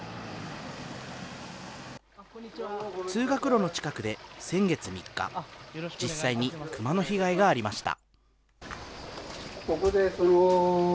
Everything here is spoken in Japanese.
通学路の近くで先月３日、実際にクマの被害がありました。